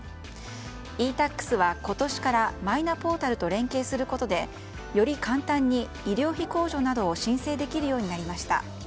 ｅ‐Ｔａｘは、今年からマイナポータルと連携することでより簡単に医療費控除などを申請できるようになりました。